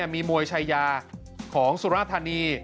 มีมวยชายาของสุรธานี